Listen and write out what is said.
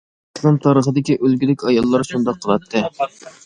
ئىسلام تارىخىدىكى ئۈلگىلىك ئاياللار شۇنداق قىلاتتى.